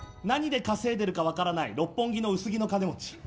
何で稼いでるか分からない六本木の薄着の金持ち。